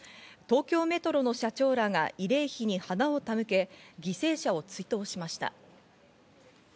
東京メトロの社長らが慰霊碑に花を手向け、犠牲者を追悼しました。